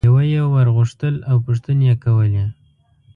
یوه یي ور غوښتل او پوښتنې یې کولې.